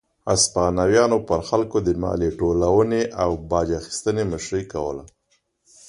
هسپانویانو پر خلکو د مالیې ټولونې او باج اخیستنې مشري کوله.